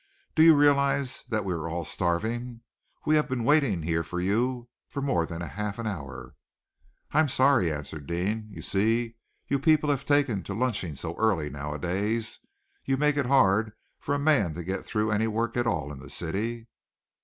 Do you realize that we are all starving? We have been waiting here for you for more than half an hour." "I am sorry," answered Deane. "You see, you people here have taken to lunching so early nowadays. You make it hard for a man to get through any work at all in the city."